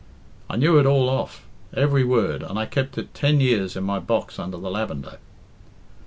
I knew it all off every word and I kept it ten years in my box under the lavender."